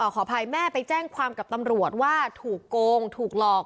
ขออภัยแม่ไปแจ้งความกับตำรวจว่าถูกโกงถูกหลอก